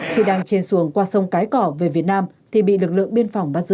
khi đang trên xuồng qua sông cái cỏ về việt nam thì bị lực lượng biên phòng bắt giữ